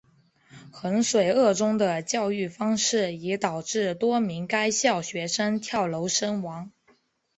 衡水二中的教育方式已导致多名该校学生跳楼身亡。